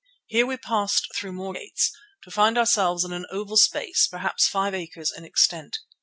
Here we passed through more gates, to find ourselves in an oval space, perhaps five acres in extent.